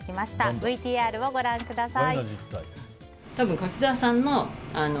ＶＴＲをご覧ください。